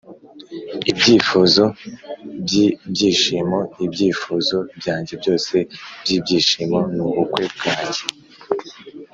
ibyifuzo byibyishimo: ibyifuzo byanjye byose byibyishimo nubukwe bwanjye